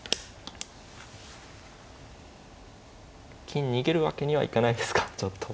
金逃げるわけにはいかないですかちょっと。